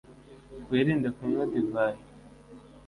wirinde kunywa divayi